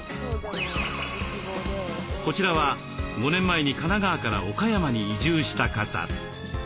こちらは５年前に神奈川から岡山に移住した方。